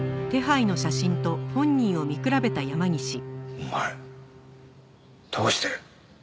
お前どうして。